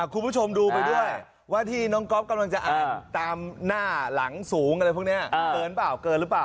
คุณผู้ชมดูไปด้วยว่าที่น้องก๊อฟกำลังจะอ่านตามหน้าหลังสูงอะไรพวกนี้เกินเปล่าเกินหรือเปล่า